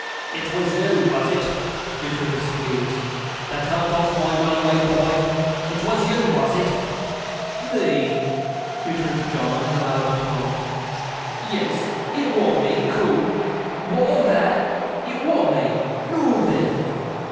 'It was you, was it,' returned Squeers, 'that helped off my runaway boy? It was you, was it?' 'Me!' returned John, in a loud tone. 'Yes, it wa' me, coom; wa'at o' that? It wa' me. Noo then!